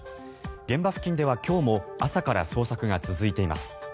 現場付近では今日も朝から捜索が続いています。